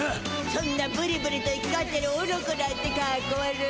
そんなブリブリといきがってるオノコなんてかっこ悪い。